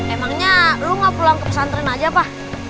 emangnya lu gak pulang ke pesantren aja apa